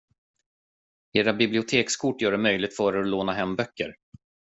Era bibliotekskort gör det möjligt för er att låna hem böcker.